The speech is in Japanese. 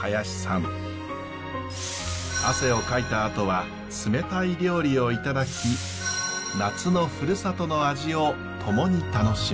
汗をかいたあとは冷たい料理をいただき夏のふるさとの味を共に楽しむ。